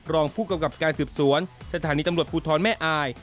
รองผู้กำกับการสืบสวนสถานีตำรวจภูทรแม่อาย